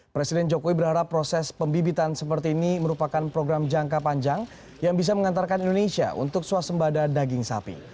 presiden jokowi berharap proses pembibitan seperti ini merupakan program jangka panjang yang bisa mengantarkan indonesia untuk suasembada daging sapi